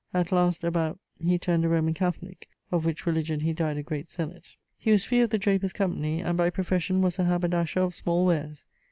At last, about ..., he turned a Roman Catholique, of which religion he dyed a great zealot. He was free of the drapers' company, and by profession was a haberdasher of small wares.